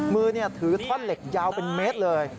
มือถือท่อนเหล็กยาวเป็นเมตรเลย